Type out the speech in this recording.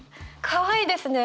かわいいですね！